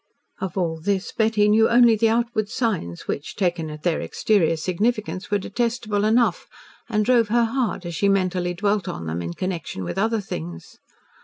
Of all this Betty only knew the outward signs which, taken at their exterior significance, were detestable enough, and drove her hard as she mentally dwelt on them in connection with other things.